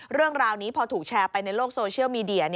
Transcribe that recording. เรื่องราวนี้พอถูกแชร์ไปในโลกโซเชียลมีเดีย